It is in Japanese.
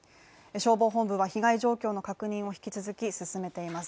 消防本部は被害状況の確認を引き続き進めています。